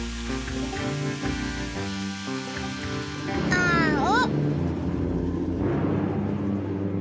あお。